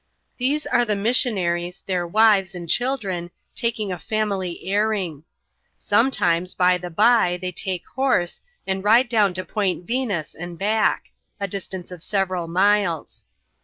These are the missionaries, heir wives, and children, taking a family airing. Sometimes, y the by, they take horse, and ride down to Point Venus and ack ; a distance of several miles.